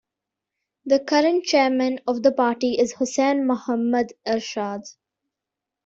The current chairman of the party is Hussain Mohammad Ershad.